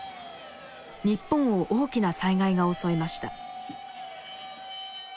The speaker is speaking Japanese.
日本を大きな災害が襲いました。